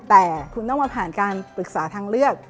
แต่คุณต้องมาผ่านการปรึกษาทางเลือก